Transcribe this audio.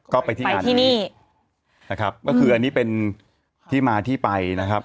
ก็ไปที่งานที่นี่นะครับก็คืออันนี้เป็นที่มาที่ไปนะครับ